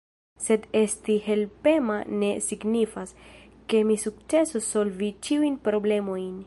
Sed esti helpema ne signifas, ke mi sukcesos solvi ĉiujn problemojn.